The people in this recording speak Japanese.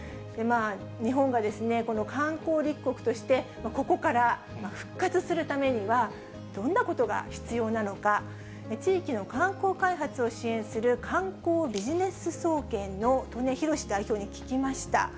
日本が観光立国として、ここから復活するためには、どんなことが必要なのか、地域の観光開発を支援する観光ビジネス総研の刀根浩志代表に聞きました。